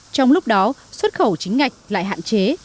trong lúc đó xuất khẩu chính ngạch lại hạn chế